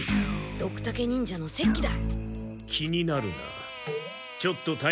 ドクタケ忍者の雪鬼は？